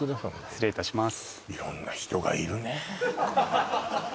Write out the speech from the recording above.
失礼いたします